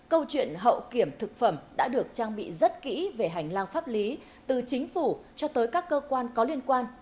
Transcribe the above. câu chuyện hậu kiểm thực phẩm đã được trang bị rất kỹ về hành lang pháp lý từ chính phủ cho tới các cơ quan có liên quan